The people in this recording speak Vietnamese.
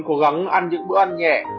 cố gắng ăn những bữa ăn nhẹ